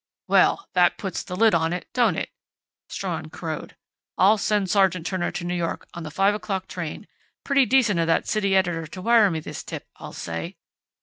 "Well, that puts the lid on it, don't it?" Strawn crowed. "I'll send Sergeant Turner to New York on the five o'clock train.... Pretty decent of that city editor to wire me this tip, I'll say!"